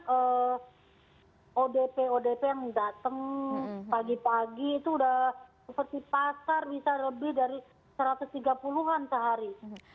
karena odp odp yang datang pagi pagi itu sudah seperti pasar bisa lebih dari satu ratus tiga puluh an sehari